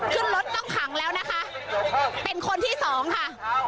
ขึ้นรถต้องขังแล้วนะคะเป็นคนที่สองค่ะ